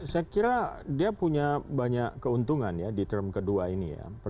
saya kira dia punya banyak keuntungan ya di term kedua ini ya